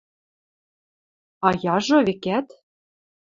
– А яжо, векӓт?